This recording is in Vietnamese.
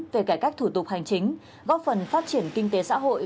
về cải cách thủ tục hành chính góp phần phát triển kinh tế xã hội